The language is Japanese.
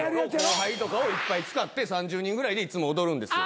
後輩とかをいっぱい使って３０人ぐらいでいつも踊るんですよ。